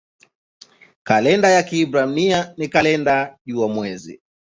Kalenda ya Kiebrania ni kalenda jua-mwezi.